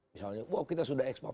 misalnya wah kita sudah ekspor